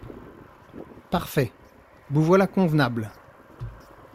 Parfait ! vous voilà convenable…